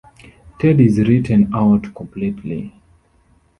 Teddy is written out completely.